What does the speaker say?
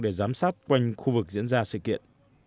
để giám sát quanh khu vực diễn ra sự kiện